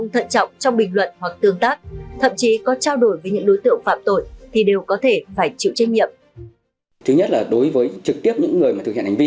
trong bình luận hoặc tương tác thậm chí có trao đổi với những đối tượng phạm tội thì đều có thể phải chịu trách nhiệm